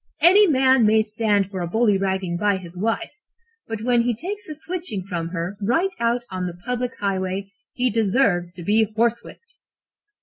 Any man may stand for a bullyragging by his wife, but when he takes a switching from her right out on the public highway, he deserves to be horsewhipped.'